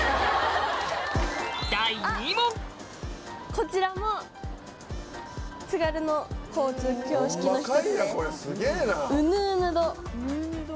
こちらも津軽の交通標識の一つです。